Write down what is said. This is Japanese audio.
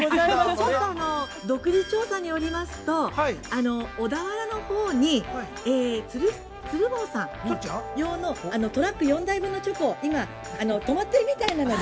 ◆ちょっとあのー、独自調査によりますと小田原のほうにえー、鶴房さん用のトラック４台分のチョコ、今止まっているみたいなので。